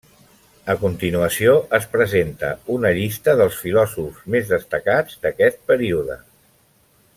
A continuació es presenta una llista dels filòsofs més destacats d'aquest període.